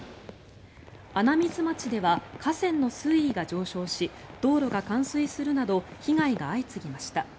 穴水町では河川の水位が上昇し道路が冠水するなど被害が相次ぎました。